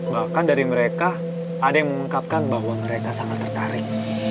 bahkan dari mereka ada yang mengungkapkan bahwa mereka sangat tertarik